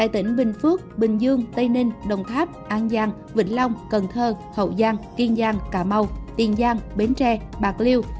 hai tỉnh bình phước bình dương tây ninh đồng tháp an giang vĩnh long cần thơ hậu giang kiên giang cà mau tiền giang bến tre bạc liêu